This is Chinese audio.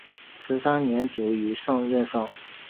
十三年卒于任上。